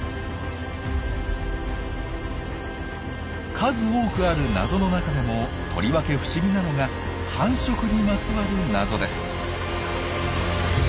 数多くある謎の中でもとりわけ不思議なのが繁殖にまつわる謎です。